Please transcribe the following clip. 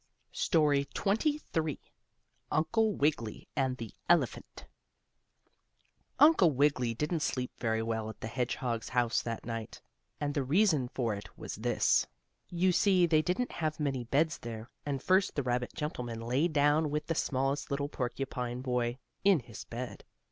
STORY XXIII UNCLE WIGGILY AND THE ELEPHANT Uncle Wiggily didn't sleep very well at the hedgehog's house that night, and the reason for it was this: You see they didn't have many beds there, and first the rabbit gentleman lay down with the smallest little porcupine boy, in his bed.